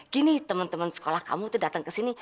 gini teman teman sekolah kamu itu datang ke sini